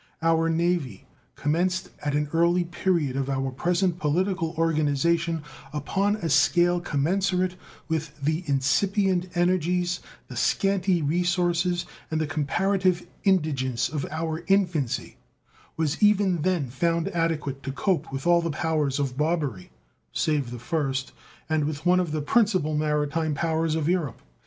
Our Navy, commenced at an early period of our present political organization upon a scale commensurate with the incipient energies, the scanty resources, and the comparative indigence of our infancy, was even then found adequate to cope with all the powers of Barbary, save the first, and with one of the principle maritime powers of Europe.